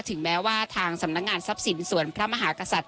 ถึงแม้ว่าทางสำนักงานทรัพย์สินส่วนพระมหากษัตริย